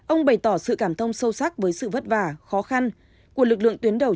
ông bày tỏ sự cảm thông sâu sắc với sự vất vả khó khăn của lực lượng tuyến đầu